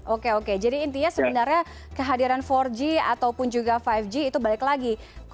oke oke jadi intinya sebenarnya kehadiran empat g ataupun juga lima g itu balik lagi